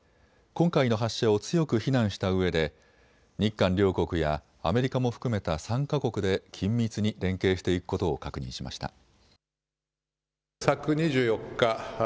今回の発射を強く非難したうえで日韓両国やアメリカも含めた３か国で緊密に連携していくことを確認しました。